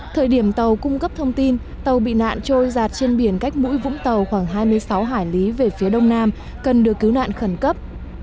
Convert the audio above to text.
thời điểm tàu cung cấp thông tin tàu bị nạn trôi giạt trên biển cách mũi vũng tàu khoảng hai mươi sáu hải lý về phía đông nam cần được cứu nạn khẩn cấp